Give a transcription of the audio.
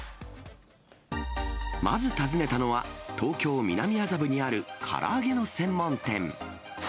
まず訪ねたのは、東京・南麻布にあるから揚げの専門店。